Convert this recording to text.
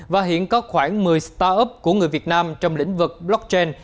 và hiện có khoảng một mươi start up của người việt nam trong lĩnh vực blockchain